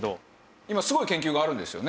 今すごい研究があるんですよね？